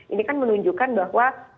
ini kan menunjukkan bahwa